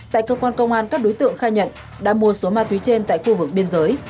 tại cơ quan công an các đối tượng khai nhận đã mua số ma túy trên tại khu vực biên giới